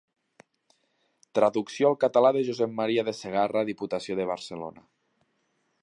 Traducció al català de Josep Maria de Sagarra a Diputació de Barcelona.